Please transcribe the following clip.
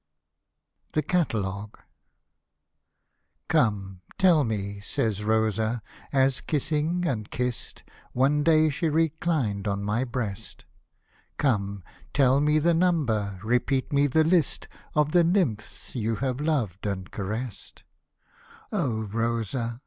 THE CATALOGUE '' Come, tell me," says Rosa, as kissing and kissed, One day she reclined on my breast ;" Come, tell me the number, repeat me the list Of the nymphs you have loved and caresst." Rosa